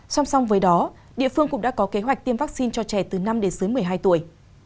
song song với đó địa phương cũng đã có kế hoạch tiêm vaccine cho trẻ từ năm đến dưới một mươi hai tuổi